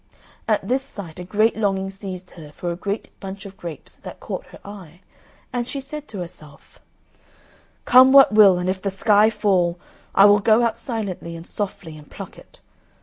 At this sight a great longing seized her for a great bunch of grapes that caught her eye, and she said to herself, "Come what will and if the sky fall, I will go out silently and softly and pluck it.